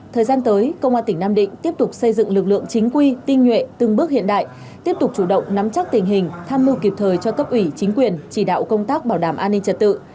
thời gian tới công an tỉnh nam định tiếp tục xây dựng lực lượng chính quy tinh nhuệ từng bước hiện đại tiếp tục chủ động nắm chắc tình hình tham mưu kịp thời cho cấp ủy chính quyền chỉ đạo công tác bảo đảm an ninh trật tự